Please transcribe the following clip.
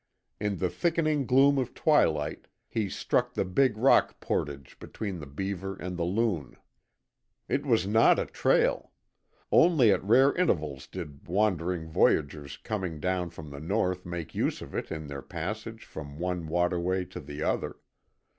In the thickening gloom of twilight he struck the Big Rock portage between the Beaver and the Loon. It was not a trail. Only at rare intervals did wandering voyageurs coming down from the north make use of it in their passage from one waterway to the other.